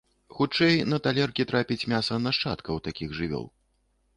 Хутчэй на талеркі трапіць мяса нашчадкаў такіх жывёл.